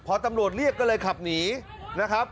พอตำรวจเรียกก็เลยขับหนีนะครับ